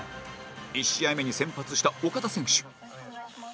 １試合目に先発した岡田選手